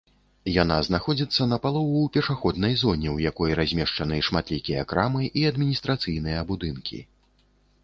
Яна знаходзіцца напалову ў пешаходнай зоне, у якой размешчаны шматлікія крамы і адміністрацыйныя будынкі.